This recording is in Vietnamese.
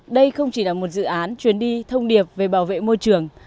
đây không chỉ là một dự án chuyển đi thông điệp về bảo vệ môi trường